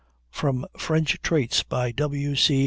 [From French Traits, by W. C.